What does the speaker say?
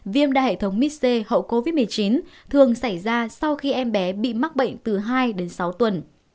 viêm đa hệ thống mits hậu covid một mươi chín thường xảy ra sau khi em bé bị mắc bệnh từ hai đến sáu tuần